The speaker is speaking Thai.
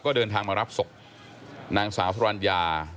ก็เดินทางมารับศพนางสาวสรรญา